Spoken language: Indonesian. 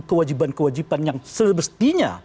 kewajiban kewajiban yang sebestinya